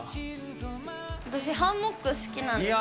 私、ハンモック好きなんです。